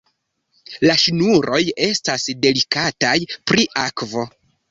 La ŝnuroj estas delikataj pri akvo.